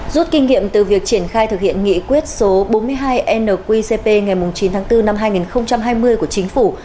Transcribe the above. rút kinh nghiệm từ việc triển khai thực hiện nghị quyết số bốn mươi hai nqcp ngày chín tháng bốn năm hai nghìn hai mươi của chính phủ